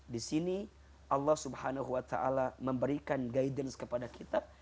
disini allah swt memberikan guidance kepada kita